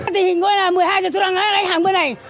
thì hình gọi là một mươi hai giờ tôi đang ở đây hàng bữa này